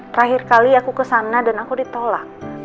terakhir kali aku kesana dan aku ditolak